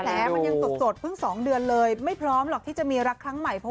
มันยังสดเพิ่ง๒เดือนเลยไม่พร้อมหรอกที่จะมีรักครั้งใหม่เพราะ